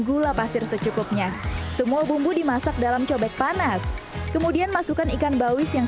gula pasir secukupnya semua bumbu dimasak dalam cobek panas kemudian masukkan ikan bawis yang